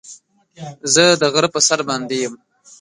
زه د غره په سر باندې يم.